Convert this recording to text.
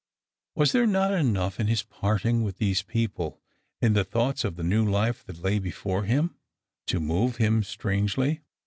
Was there not enough in his parting with these people, in the thoughts of the new Ufe that lay before him, to move him strangely